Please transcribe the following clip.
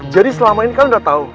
jadi selama ini kalian udah tau